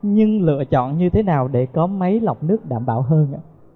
nhưng lựa chọn như thế nào để có máy lọc nước đảm bảo hơn